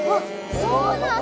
そうなんだ！